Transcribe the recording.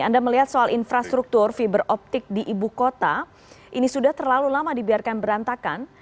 anda melihat soal infrastruktur fiberoptik di ibu kota ini sudah terlalu lama dibiarkan berantakan